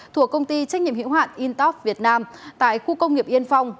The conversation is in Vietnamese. của công ty trách nhiệm hữu hoạn intop việt nam tại khu công nghiệp yên phong